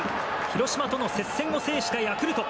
広島との接戦を制したヤクルト。